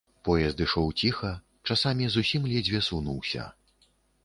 Поезд ішоў ціха, часамі зусім ледзьве сунуўся.